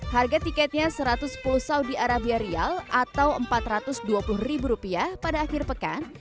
harga tiketnya satu ratus sepuluh saudi arabia rial atau rp empat ratus dua puluh ribu rupiah pada akhir pekan